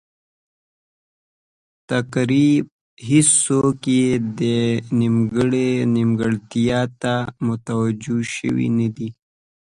تقریبا هېڅوک یې دې نیمګړتیا ته متوجه شوي نه دي.